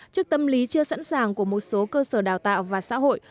trước tâm lý chưa sẵn sàng của một số cơ sở đào tạo và xã hội